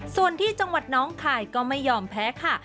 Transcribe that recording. ส่วนที่จังหวัดน้องคายก็ไม่ยอมแพ้ค่ะ